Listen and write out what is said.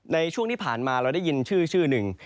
ในช่วงที่ผ่านมาเราได้ยินชื่อหนึ่ง